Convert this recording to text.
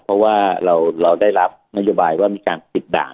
เพราะว่าเราได้รับนโยบายว่ามีการปิดด่าน